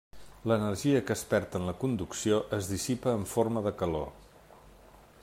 L'energia que es perd en la conducció es dissipa en forma de calor.